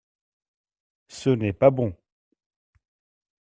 Ce n’est pas bon.